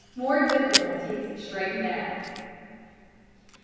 MORE DIFFICULTIES STRAIGHTENED OUT.